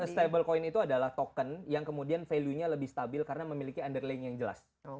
stable coin itu adalah token yang kemudian value nya lebih stabil karena memiliki underling yang jelas